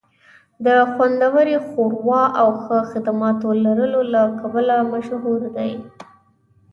د خوندورې ښوروا او ښه خدماتو لرلو له کبله مشهور دی